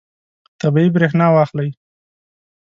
طبیعي برېښنا واخلئ.